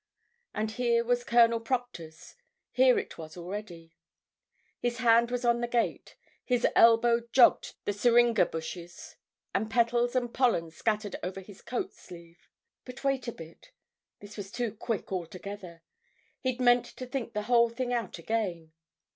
And here was Colonel Proctor's—here it was already. His hand was on the gate, his elbow jogged the syringa bushes, and petals and pollen scattered over his coat sleeve. But wait a bit. This was too quick altogether. He'd meant to think the whole thing out again.